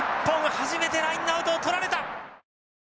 初めてラインアウトをとられた！